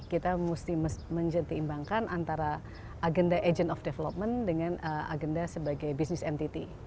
kita mesti menjetimbangkan antara agenda agent of development dengan agenda sebagai business entity